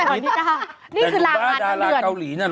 แบบเดริฟพ่อดาราเกาหลีเนี้ย